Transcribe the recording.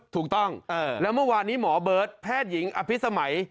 ถูกต้องแล้วเมื่อวานนี้หมอเบิร์ตแพทย์หญิงอภิษมัย